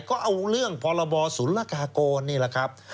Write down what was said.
ก็เอาเรื่องพลศลกนี่แหละครับ